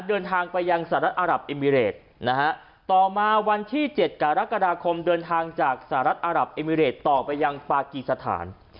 เดินทางไปยังสหรัฐอารับเอมิเรตนะฮะต่อมาวันที่๗กรกฎาคมเดินทางจากสหรัฐอารับเอมิเรตต่อไปยังปากีสถาน